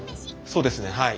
そうですねはい。